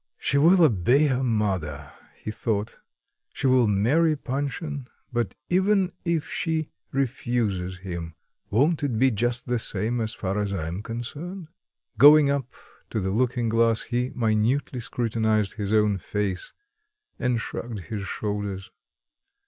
"She will obey her mother," he thought, "she will marry Panshin; but even if she refuses him, won't it be just the same as far as I am concerned?" Going up to the looking glass he minutely scrutinised his own face and shrugged his shoulders.